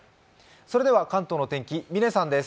それでは関東の天気、嶺さんです。